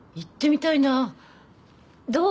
どう？